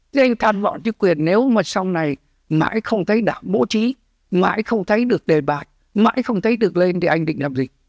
chứ anh tham vọng chứ quyền nếu mà sau này mãi không thấy đảng bố trí mãi không thấy được đề bạt mãi không thấy được lên thì anh định làm gì